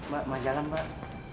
maka mau jalan mbak